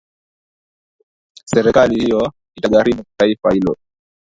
serikali hiyo itagharimu taifa hilo